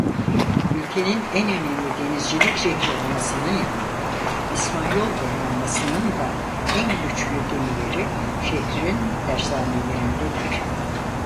Ülkenin en önemli denizcilik şehri olmasını yanında İspanyol Donanması'nın da en güçlü gemileri şehrin tersanelerindedir.